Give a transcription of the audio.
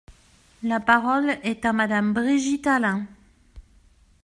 La parole est à Madame Brigitte Allain.